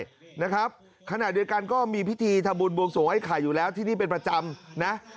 นะครับขณะเดียวกันก็มีพิธีทำบุญบวงสวงไอ้ไข่อยู่แล้วที่นี่เป็นประจำนะ